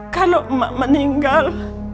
kalau emak meninggal